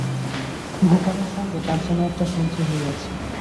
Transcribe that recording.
গোপালের সঙ্গে তার যেন একটা সন্ধি হইয়াছে।